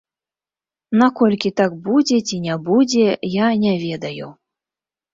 Наколькі так будзе ці не будзе, я не ведаю.